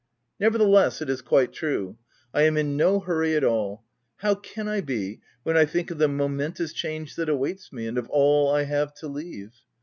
Nevertheless, it is quite true. I am in no hurry at all. How can I be, when I think of the momentous change that awaits me, and of all I have to leave